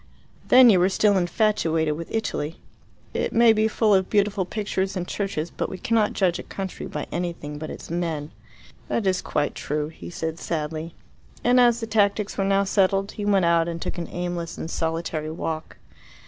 Then you were still infatuated with Italy. It may be full of beautiful pictures and churches, but we cannot judge a country by anything but its men." "That is quite true," he said sadly. And as the tactics were now settled, he went out and took an aimless and solitary walk.